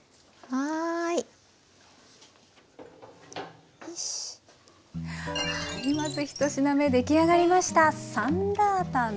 はいまず一品目出来上がりました。